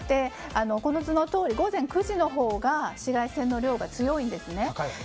この図のとおり午前９時のほうが紫外線の量が強いんですね。